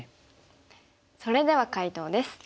それでは解答です。